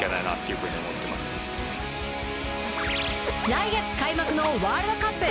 来月開幕のワールドカップ。